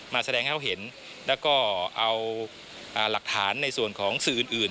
แสดงให้เขาเห็นแล้วก็เอาหลักฐานในส่วนของสื่ออื่น